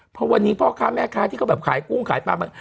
เพราะวันนี้พ่อค้าแม่ค้าที่เขาแบบขายกุ้งขายปลามัน